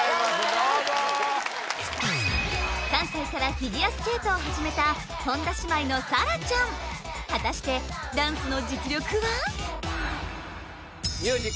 どうぞ３歳からフィギュアスケートを始めた本田姉妹の紗来ちゃん果たしてダンスの実力は？